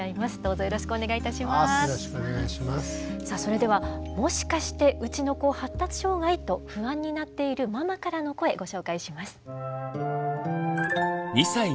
さあそれではもしかしてうちの子発達障害？と不安になっているママからの声ご紹介します。